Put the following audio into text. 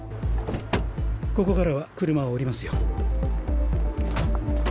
ここからは車を降りますよ。